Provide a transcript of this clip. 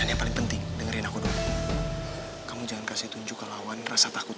tanya paling penting dengerin aku doang kamu jangan kasih tunjuk hwan rasa takut